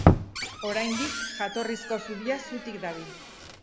Oraindik jatorrizko zubia zutik dabil.